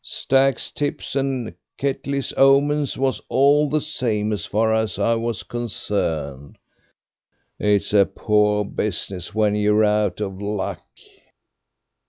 Stack's tips and Ketley's omens was all the same as far as I was concerned. It's a poor business when you're out of luck."